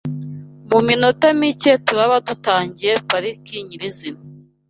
Mu minota mike turaba dutangiye pariki nyirizina